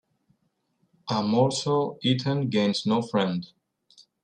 A morsel eaten gains no friend